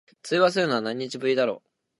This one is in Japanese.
通話するの、何日ぶりだろ。